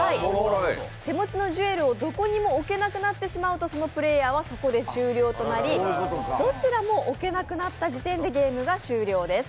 手持ちのジュエルをどこにもおけなくなってしまうとそのプレーヤーは、そこで終了となりどちらも置けなくなった時点でゲームは終了です。